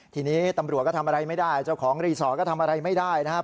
ทีนี้ตำรวจก็ทำอะไรไม่ได้เจ้าของรีสอร์ทก็ทำอะไรไม่ได้นะครับ